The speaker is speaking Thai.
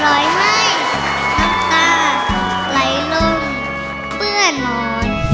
ร้อยไหม้น้ำตาไหลลงเปื้อนนอน